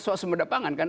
soal sembada pangan kan